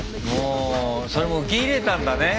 それも受け入れたんだね。